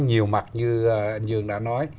nhiều mặt như anh dương đã nói